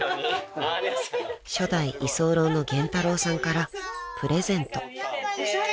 ［初代居候の玄太朗さんからプレゼント］